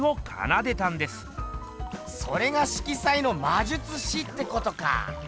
それが色彩のまじゅつしってことか。